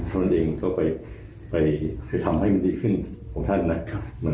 นั่นเองเขาไปทำให้ดีขึ้นของท่านนะครับ